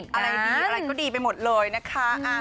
ก็สนิทกันดีเหมือนเดิม